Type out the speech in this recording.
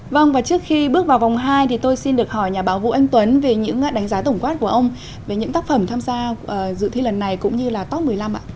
vâng và trước khi bước vào vòng hai thì tôi xin được hỏi nhà báo vũ anh tuấn về những đánh giá tổng quát của ông về những tác phẩm tham gia dự thi lần này cũng như là top một mươi năm ạ